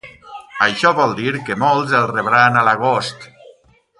Això vol dir que molts els rebran a l’agost.